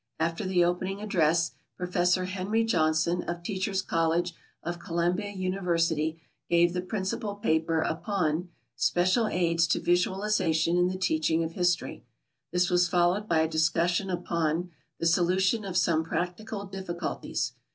After the opening address, Professor Henry Johnson, of Teachers' College of Columbia University, gave the principal paper upon "Special Aids to Visualization in the Teaching of History." This was followed by a discussion upon "The Solution of Some Practical Difficulties."